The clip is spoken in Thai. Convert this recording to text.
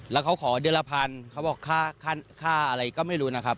แล้วเขาขอเดือนละพันเขาบอกค่าอะไรก็ไม่รู้นะครับ